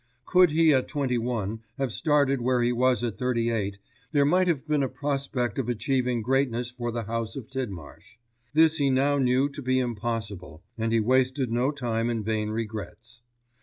Could he at twenty one have started where he was at thirty eight, there might have been a prospect of achieving greatness for the house of Tidmarsh. This he now knew to be impossible, and he wasted no time in vain regrets.